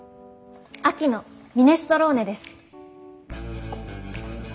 秋のミネストローネです。